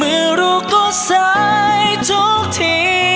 อุ่นแล้วก็ต้องเชื่อมันไว้